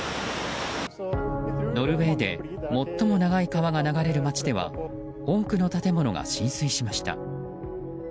ノルウェーで最も長い川が流れる町では多くの建物が浸水しました。